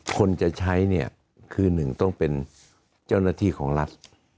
คนจะใช้เนี่ยคือหนึ่งต้องเป็นเจ้าหน้าที่ของรัฐ